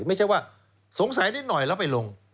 ไม่ใช่ว่าสงสัยนิดหน่อยแล้วไปลง